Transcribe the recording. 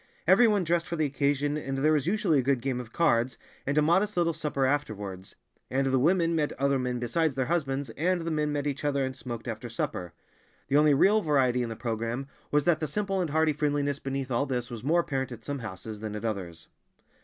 Everyone dressed for the occasion, and there was usually a good game of cards, and a modest little supper afterwards, and the women met other men besides their husbands, and the men met each other and smoked after supper. The only real variety in the programme was that the simple and hearty friendliness beneath all this was more apparent at some houses than at others.